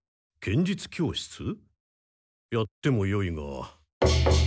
やってもよいが。